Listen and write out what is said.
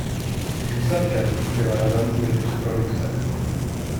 Výsledkem byl razantní růst produkce.